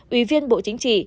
ủy viên bộ chính trị